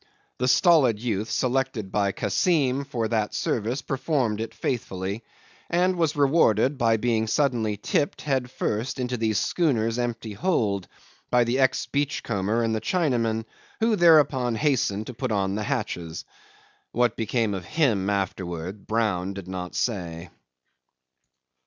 The stolid youth selected by Kassim for that service performed it faithfully, and was rewarded by being suddenly tipped, head first, into the schooner's empty hold by the ex beachcomber and the Chinaman, who thereupon hastened to put on the hatches. What became of him afterwards Brown did not say.